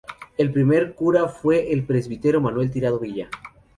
El primer cura fue el presbítero Manuel Tirado Villa.